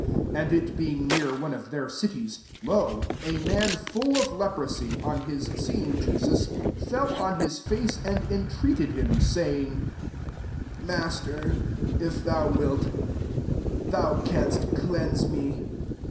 12 And it being near one of tkeir cities, lo, a man full of le* prosy, on hit seeing Jesus, fell on hi» foce, and entreated him, saying, " Master, if thou M^ilt, thou canst cleanse me."